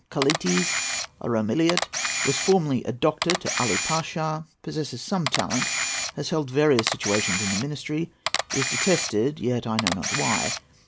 KOLETTES.—A Romeliot; was formerly doctor to Ali Pasha; possesses some talent; has held various situations in the ministry; is detested, yet I know not why.